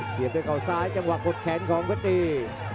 เสียบด้วยเขาซ้ายจังหวะกดแขนของเพชรตี